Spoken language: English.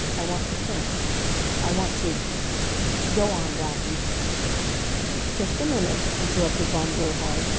I want to think. I want to... Go on, Blackie." "Just a minute," interrupted Von Gerhard.